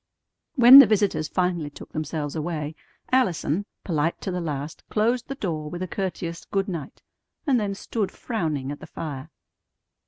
When the visitors finally took themselves away, Allison, polite to the last, closed the door with a courteous "Good night," and then stood frowning at the fire.